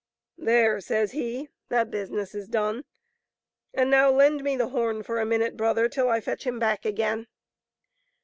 " There," says he, " that business is done ; and now lend me the horn a minute, brother, till I fetch him back again."